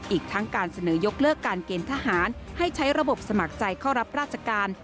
อีกทั้งการเสนอยกเลิกการเกณฑ์ทหารให้ใช้ระบบสมัครใจเข้ารับราชการ